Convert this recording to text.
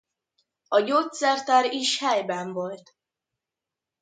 A gyógyszertár is helyben volt.